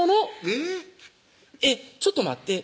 えぇっ「えっちょっと待って」